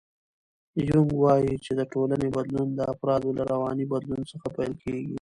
یونګ وایي چې د ټولنې بدلون د افرادو له رواني بدلون څخه پیل کېږي.